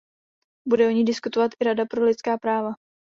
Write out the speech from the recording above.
Bude o ní diskutovat i Rada pro lidská práva.